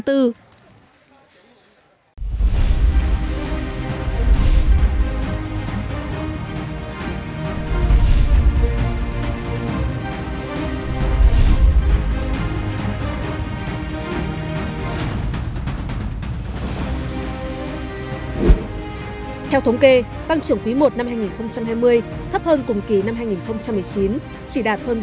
theo thống kê tăng trưởng quý i năm hai nghìn hai mươi thấp hơn cùng kỳ năm hai nghìn một mươi chín chỉ đạt hơn ba